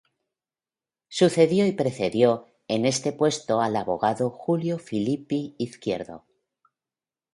Sucedió y precedió en este puesto al abogado Julio Philippi Izquierdo.